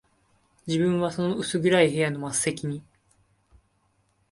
自分はその薄暗い部屋の末席に、